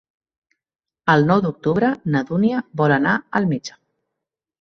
El nou d'octubre na Dúnia vol anar al metge.